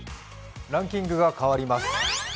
ランキングが変わります。